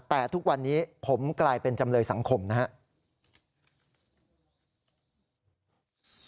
แต่ทุกวันนี้ผมกลายเป็นจำเลยสังคมนะครับ